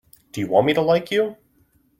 Do you want me to like you?